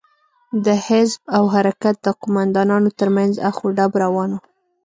د حزب او حرکت د قومندانانو تر منځ اخ و ډب روان و.